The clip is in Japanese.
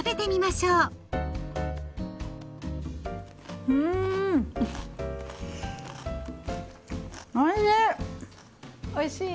うんおいしい！